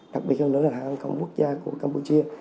đặc biệt hơn nữa là hãng hàng không quốc gia của campuchia